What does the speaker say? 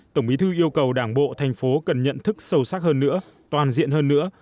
tổng bí thư yêu cầu đảng bộ thành phố cần nhận thức sâu sắc hơn nữa toàn diện hơn nữa